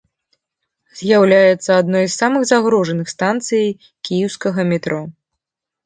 З'яўляецца адной з самых загружаных станцыяй кіеўскага метро.